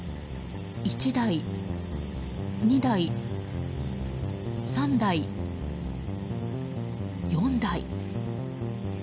１台、２台、３台、４台。